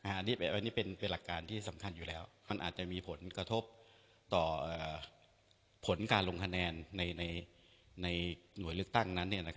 อันนี้เป็นหลักการที่สำคัญอยู่แล้วมันอาจจะมีผลกระทบต่อผลการลงคะแนนในหน่วยเลือกตั้งนั้น